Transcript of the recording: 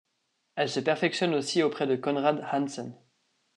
Elle se perfectionne aussi après de Conrad Hansen.